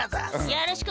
よろしく！